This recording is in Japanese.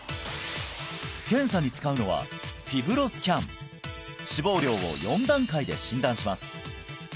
検査に使うのは脂肪量を４段階で診断します